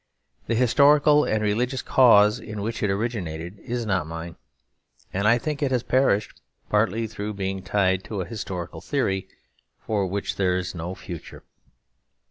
The historical and religious cause in which it originated is not mine; and I think it has perished partly through being tied to a historical theory for which there is no future.